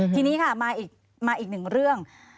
ทีนี้ค่ะมาอีกหนึ่งเรื่อง